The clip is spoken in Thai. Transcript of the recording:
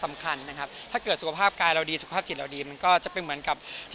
มันแปลงปลั่งมันเป็นเมื่อสวัสดิ์